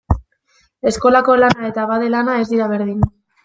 Eskolako lana eta abade lana ez dira berdin.